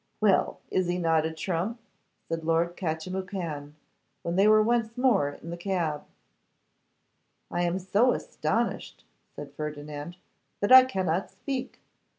'Well, is not he a trump?' said Lord Catchimwhocan, when they were once more in the cab. 'I am so astonished,' said Ferdinand, 'that I cannot speak.